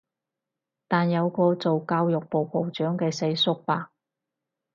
但有個做教育部部長嘅世叔伯